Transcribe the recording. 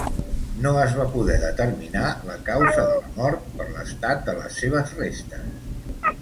No es va poder determinar la causa de la mort per l'estat de les seves restes.